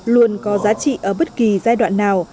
luôn có giá trị ở bất kỳ giai đoạn nào